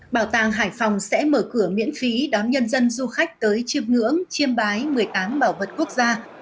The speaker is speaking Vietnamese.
bảo tàng hải phòng sẽ mở cửa miễn phí đón nhân dân du khách tới chiêm ngưỡng chiêm bái một mươi tám bảo vật quốc gia